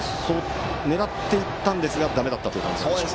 狙っていったんですがだめだった感じですか？